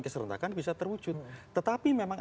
keserentakan bisa terwujud tetapi memang